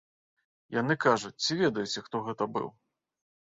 Яны кажуць, ці ведаеце, хто гэта быў?